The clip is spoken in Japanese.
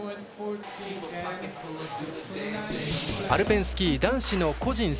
アルペンスキー男子の個人